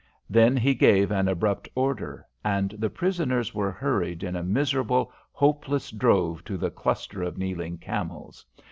Then he gave an abrupt order, and the prisoners were hurried in a miserable, hopeless drove to the cluster of kneeling camels.